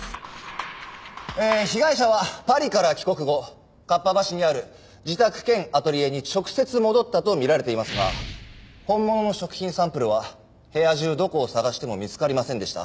えー被害者はパリから帰国後合羽橋にある自宅兼アトリエに直接戻ったとみられていますが本物の食品サンプルは部屋中どこを捜しても見つかりませんでした。